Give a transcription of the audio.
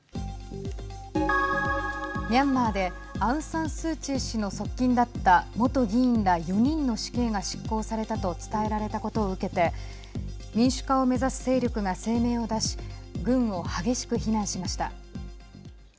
ミャンマーでアウン・サン・スー・チー氏の側近だった元議員ら４人の死刑が執行されたと伝えられたことを受けて民主化を目指す勢力が声明を出し軍を激しく非難しました。